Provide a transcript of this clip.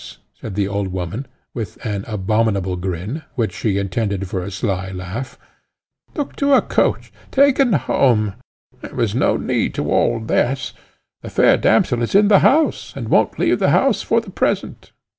said the old woman with an abominable grin, which she intended for a sly laugh "Look to a coach! taken home! There was no need of all this: the fair damsel is in the house, and won't leave the house for the present."